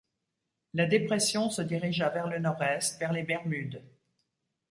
La dépression se dirigea vers le nord-est, vers les Bermudes.